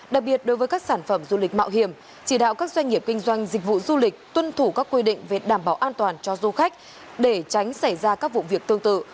đặc biệt đối với các sản phẩm du lịch mạo hiểm chỉ đạo các doanh nghiệp kinh doanh dịch vụ du lịch tuân thủ các quy định về đảm bảo an toàn cho du khách để tránh xảy ra các vụ việc tương tự